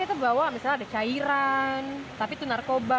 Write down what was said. itu bau misalnya ada cairan tapi itu narkoba